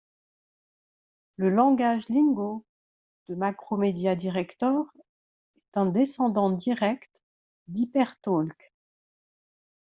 Le langage Lingo de Macromedia Director est un descendant direct d'HyperTalk.